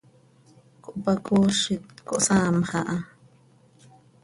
Cohpacoozit, cohsaamx aha.